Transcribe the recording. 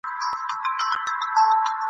که له موجونو ډارېدلای غېږ ته نه درتلمه !.